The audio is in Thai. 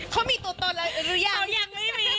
เขามีตัวอะไรรู้ยัง